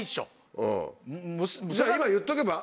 じゃあ今言っとけば？